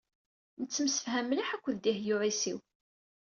Nettemsefham mliḥ akked Dehbiya u Ɛisiw.